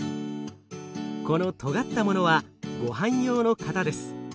このとがったものはごはん用の型です。